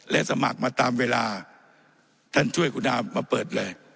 และสมัครมาตามเวลาท่านช่วยคุณอามาเปิดเลย